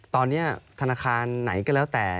ตอนนี้ธนาคารไหนก็แล้วแต่